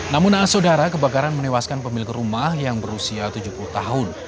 namun asodara kebakaran menewaskan pemilku rumah yang berusia tujuh puluh tahun